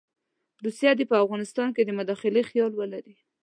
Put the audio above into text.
روسیه دې په افغانستان کې د مداخلې خیال ولري.